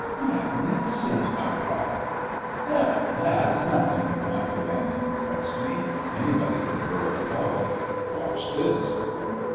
"Magnificent!" I cried. "Hell, that's nothing!" my companion repressed me, "anybody can birl a log. Watch this."